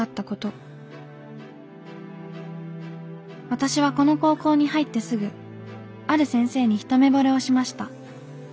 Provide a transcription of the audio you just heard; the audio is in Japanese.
「私はこの高校に入ってすぐある先生にひとめぼれをしました。